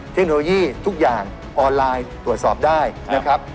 เทคโนโลยีทุกอย่างออนไลน์ตรวจสอบได้นะครับ